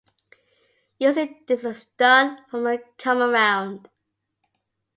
Usually this is done from a comearound.